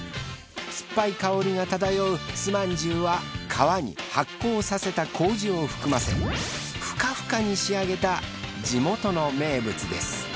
すっぱい香りが漂うすまんじゅうは皮に発酵させた麹を含ませフカフカに仕上げた地元の名物です。